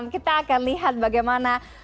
kita akan lihat bagaimana